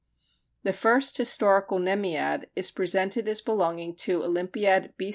The first historical Nemead is presented as belonging to Olympiad B.